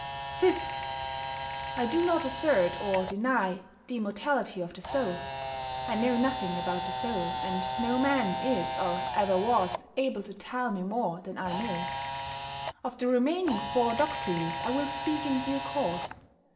5. I do not assert or deny the immortality of the soul. I know nothing about the soul, and no man is or ever was able to tell me more than I know. Of the remaining four doctrines I will speak in due course.